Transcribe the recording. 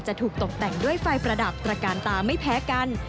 ถูกตกแต่งด้วยไฟประดับตระการตาไม่แพ้กัน